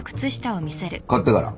買ってから。